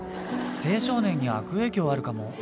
青少年に悪影響あるかも。